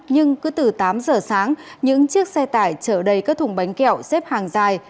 nhưng cứ từ tám giờ sáng những chiếc xe tải chở đầy các thùng bánh kẹo xếp hàng dài